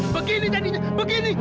begini jadinya begini